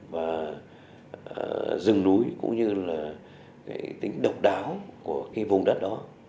và rừng núi cũng như là cái tính độc đáo của cái vùng đất đó